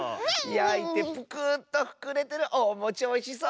やいてプクーッとふくれてるおもちおいしそう！